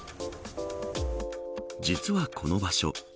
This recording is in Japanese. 実はこの場所。